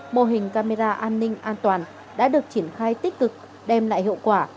mô hình camera an ninh an toàn đã được triển khai tích cực đem lại hiệu quả